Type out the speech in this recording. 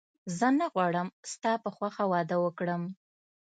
زه نه غواړم ستا په خوښه واده وکړم